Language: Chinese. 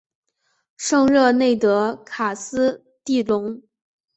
圣热内德卡斯蒂隆。